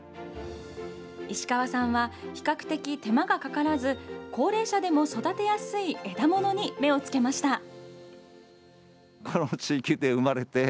石川さんは比較的手間がかからず、高齢者でも育てやすい枝物に目をつけました。